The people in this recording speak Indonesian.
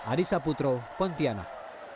adisa putro pontianak